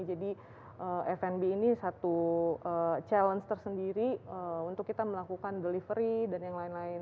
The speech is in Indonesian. jadi fnb ini satu challenge tersendiri untuk kita melakukan delivery dan yang lain lain